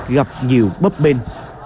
gặp nhiều bấp bên